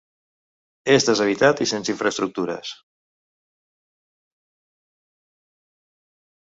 És deshabitat i sense infraestructures.